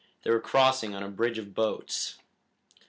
They were crossing on a bridge of boats."